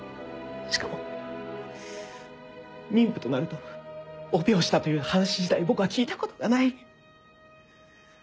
しかも妊婦となるとオペをしたという話自体僕は聞いたことがない。